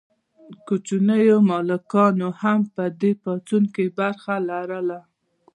کوچنیو مالکانو هم په دې پاڅون کې برخه لرله.